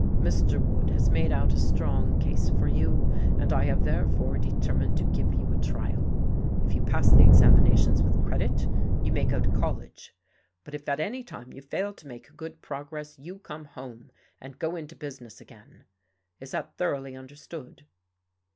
Mr. Wood has made out a strong case for you, and I have therefore determined to give you a trial. If you pass the examinations with credit, you may go to college, but if at any time you fail to make good progress, you come home, and go into business again. Is that thoroughly understood?"